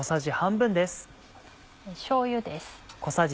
しょうゆです。